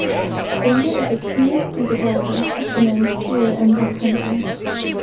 Wingett is a keen scuba diver, fisherman, skier and wreck hunter.